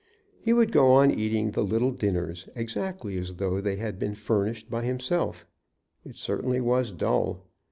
He would go on eating the little dinners exactly as though they had been furnished by himself. It certainly was dull.